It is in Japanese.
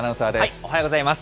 おはようございます。